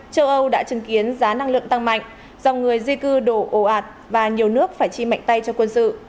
châu âu đã chứng kiến giá năng lượng tăng mạnh dòng người di cư đổ ồ ạt và nhiều nước phải chi mạnh tay cho quân sự